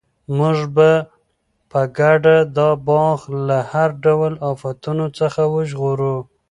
موږ به په ګډه دا باغ له هر ډول آفتونو څخه وژغورو.